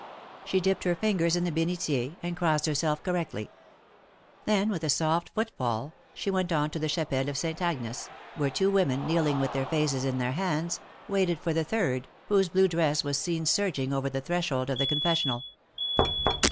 She dipped her fingers in the Benitier, and crossed herself correctly. Then, with a soft footfall, she went on to the chapelle of Saint Agnes, where two women, kneeling with their faces in their hands, waited for the third, whose blue dress was seen surging over the threshold of the Confessional.